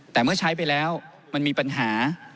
แต่เมื่อใช้ไปแล้วมันมีปัญหา